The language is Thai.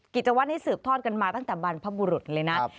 กิจวัตรนี้สืบทอดกันมาตั้งแต่บรรพบุรุษเลยนะ